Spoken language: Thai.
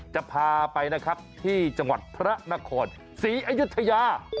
จะพาไปนะครับที่จังหวัดพระนครศรีอยุธยา